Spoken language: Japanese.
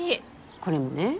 これもね